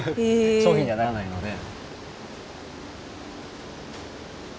商品にはならないので。